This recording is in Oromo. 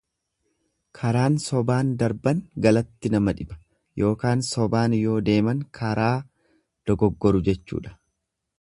Karaan sobaan darban galatti nama dhiba ykn sobaan yoo deeman karaa dogoggoru jechuudha.